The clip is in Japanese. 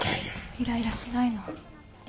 イライラしないの。